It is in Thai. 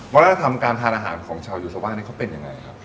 วัฒนธรรมการทานอาหารของชาวยูซาว่าเขาเป็นยังไงครับ